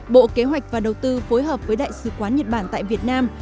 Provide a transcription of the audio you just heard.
bộ kế hoạch và đầu tư phối hợp với đại sứ quán nhật bản tại việt nam